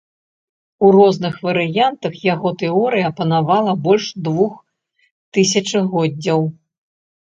У розных варыянтах яго тэорыя панавала больш двух тысячагоддзяў.